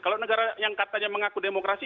kalau negara yang katanya mengaku demokrasi